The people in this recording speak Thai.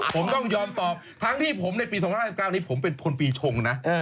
ผมต้องยอมตอบทั้งที่ผมในปี๒๕๙นี้ผมเป็นคนปีชงนะ